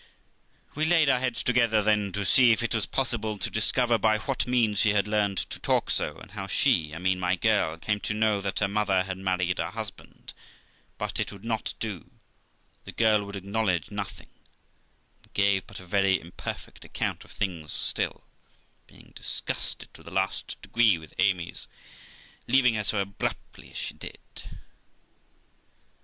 356 THE LIFE OF ROXANA We laid our heads together then to see if it was possible to discover by what means she had learned to talk so, and how she ( I mean my girl ) came to know that her mother had married a husband; but it would not do, the girl would acknowledge nothing, and gave but a very imperfect account of things still, being disgusted to the last degree with Amy's leaving her so abruptly as she did.